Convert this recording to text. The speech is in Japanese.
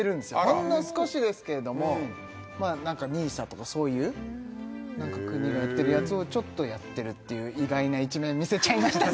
ほんの少しですけれどもまあ何かＮＩＳＡとかそういう何か国がやってるやつをちょっとやってるっていう意外な一面見せちゃいました